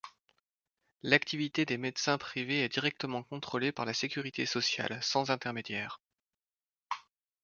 L'activité des médecins privés est directement contrôlée par la Sécurité sociale, sans intermédiaire.